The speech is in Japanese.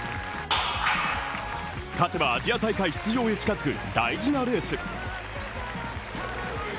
例えばアジア大会出場へ近づく大事なレース。